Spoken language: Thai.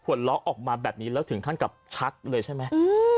เลาะออกมาแบบนี้แล้วถึงขั้นกับชักเลยใช่ไหม